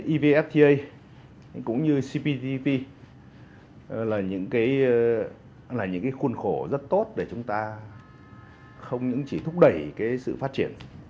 evfta cũng như cptp là những khuôn khổ rất tốt để chúng ta không chỉ thúc đẩy sự phát triển